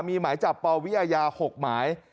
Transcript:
มีหมายจับปวิอาญา๖หมาย